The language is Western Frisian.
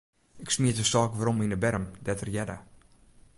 Ik smiet de stôk werom yn 'e berm, dêr't er hearde.